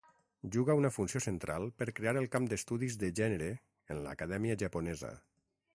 Juga una funció central per crear el camp d'estudis de gènere en l'acadèmia japonesa.